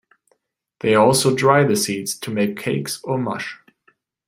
They also dry the seeds to make cakes or mush.